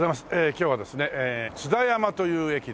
今日はですね津田山という駅で。